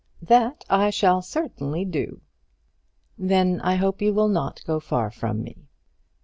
"That I shall certainly do." "Then I hope you will not go far from me."